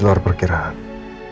itu rukanya sakit banget ya